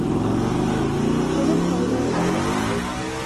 কোনো ভয় নেই আর এখন।